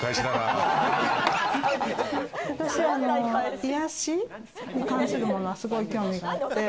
私は癒やしに関するものはすごい興味があって。